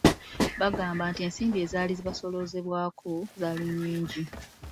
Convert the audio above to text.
Bagamba nti ensimbi ezaali zibasoloozebwako zaali nnyingi.